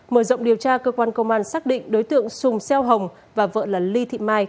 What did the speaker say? mở rộng điều tra cơ quan công an xác định đối tượng sùng xeo hồng và vợ ly thị mai